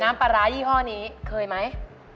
ปลาร้ายี่ห้อนี้เคยไหม